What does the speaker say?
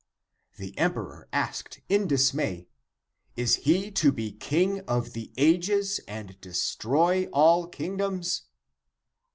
The emperor asked in dismay, " Is he to be King of the ages and destroy all kingdoms?